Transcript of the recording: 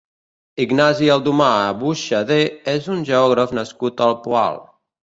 Ignasi Aldomà Buixadé és un geògraf nascut al Poal.